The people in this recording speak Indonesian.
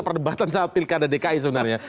perdebatan soal pilkada dki sebenarnya